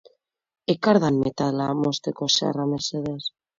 Ekardan metala mozteko zerra mesedez.